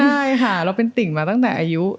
ใช่ค่ะเราเป็นติ่งมาตั้งแต่อายุ